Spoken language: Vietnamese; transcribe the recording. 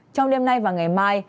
trong đêm nay và ngày mai